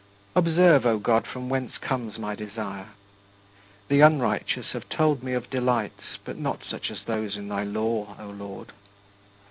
Observe, O God, from whence comes my desire. The unrighteous have told me of delights but not such as those in thy law, O Lord.